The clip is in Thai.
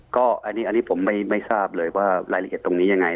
ก็อันนี้ผมไม่ทราบเลยว่ารายละเอียดตรงนี้ยังไง